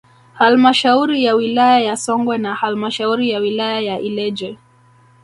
Halmashauri ya wilaya ya Songwe na halmashauri ya wilaya ya Ileje